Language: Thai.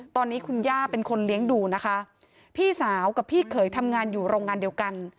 ตอนนี้คุณย่าเป็นคนเลี้ยงดูนะคะพี่สาวกับพี่เขยทำงานอยู่โรงงานเดียวกัน